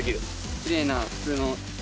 きれいな普通の。